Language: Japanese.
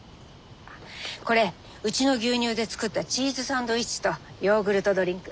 あこれうちの牛乳で作ったチーズサンドイッチとヨーグルトドリンク。